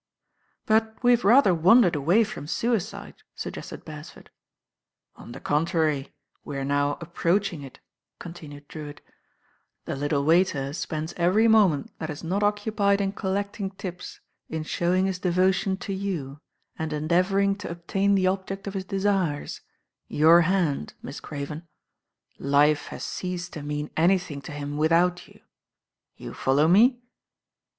"But wc have rather wandered away from sui cide," suggested Beresford. "On the contrary we are now approaching it," continued Drewitt. "The little waiter spends every moment that is not occupied in collecting tips in showing his devotion to you, and endeavouring to obtain the object of his desires, your hand. Miss THE NINE DAYS ENDED tSl Cnven. Life hai ceased to mean anything to him without you. You follow me?"